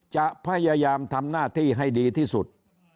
จะพยายามทำหน้าที่ให้ดีที่สุด